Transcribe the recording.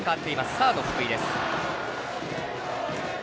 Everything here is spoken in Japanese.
サード、福井です。